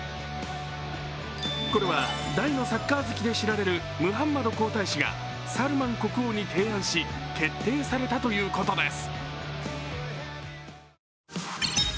これは大のサッカー好きで知られるムハンマド皇太子がサルマン国王に提案し決定されたということです。